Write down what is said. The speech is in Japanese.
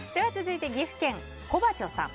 続いて、岐阜県の方。